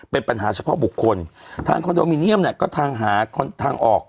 เป็นปัญหาเฉพาะบุคคลทางคอนโดมิเนียมเนี่ยก็ทางหาทางออก